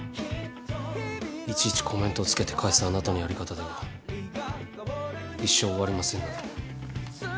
いちいちコメントを付けて返すあなたのやり方では一生終わりませんので。